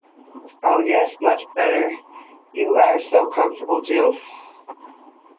Oh, yes, much better; you are so comfortable, Jill!